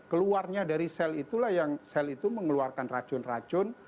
keluarnya dari sel itulah yang mengeluarkan racun racun